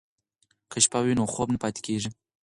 که شپه وي نو خوب نه پاتې کیږي.